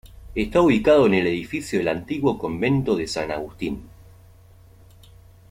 Está ubicado en el edificio del antiguo convento de San Agustín.